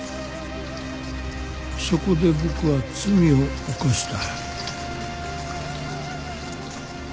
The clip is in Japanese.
そこで僕は罪を犯した。